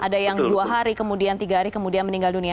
ada yang dua hari kemudian tiga hari kemudian meninggal dunia